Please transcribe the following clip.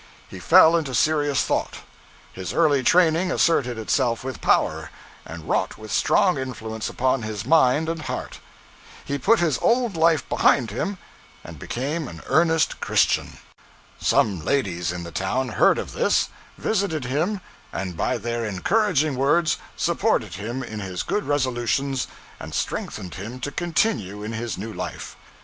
He fell into serious thought; his early training asserted itself with power, and wrought with strong influence upon his mind and heart. He put his old life behind him, and became an earnest Christian. Some ladies in the town heard of this, visited him, and by their encouraging words supported him in his good resolutions and strengthened him to continue in his new life.